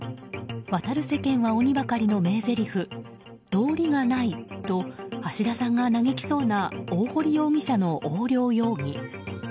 「渡る世間は鬼ばかり」の名ぜりふ道理がないと橋田さんが嘆きそうな大堀容疑者の横領容疑。